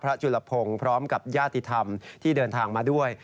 จุลพงศ์พร้อมกับญาติธรรมที่เดินทางมาด้วย